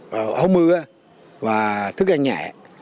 không mưa và thức ăn nhẹ